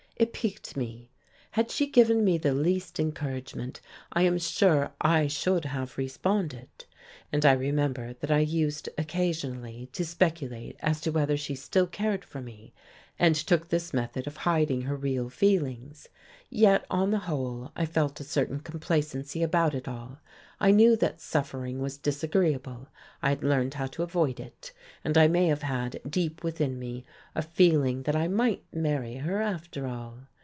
It piqued me. Had she given me the least encouragement, I am sure I should have responded; and I remember that I used occasionally to speculate as to whether she still cared for me, and took this method of hiding her real feelings. Yet, on the whole, I felt a certain complacency about it all; I knew that suffering was disagreeable, I had learned how to avoid it, and I may have had, deep within me, a feeling that I might marry her after all.